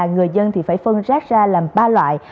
người dân thì phải phân rác ra làm ba loại